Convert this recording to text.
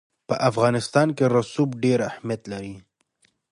په افغانستان کې رسوب ډېر اهمیت لري.